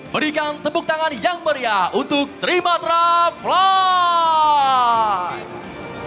berikan tepuk tangan yang meriah untuk trimatra flight